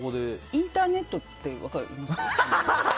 インターネットって分かります？